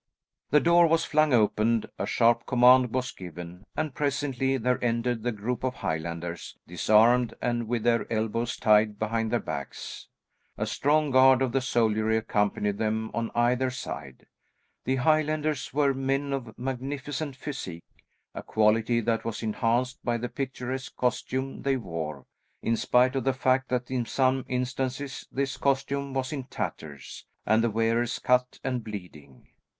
The doors were flung open, a sharp command was given, and presently there entered the group of Highlanders, disarmed and with their elbows tied behind their backs. A strong guard of the soldiery accompanied them on either side. The Highlanders were men of magnificent physique, a quality that was enhanced by the picturesque costume they wore, in spite of the fact that in some instances, this costume was in tatters, and the wearers cut and bleeding.